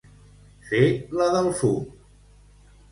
Fer la del fum.